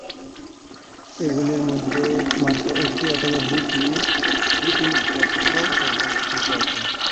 এগুলির মধ্যে মাত্র একটি অথবা দুটিই এখনও পর্যন্ত টিকে আছে।